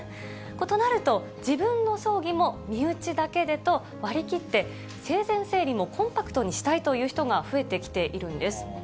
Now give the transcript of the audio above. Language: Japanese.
となると、自分の葬儀も身内だけでと割り切って、生前整理もコンパクトにしたいという人が増えてきているんです。